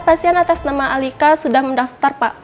pasien atas nama alika sudah mendaftar pak